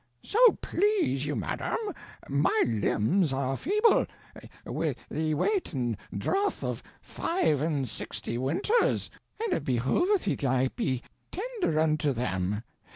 So please you madam, my limbs are feeble wh ye weighte and drouth of five and sixty winters, and it behoveth yt I be tender unto them.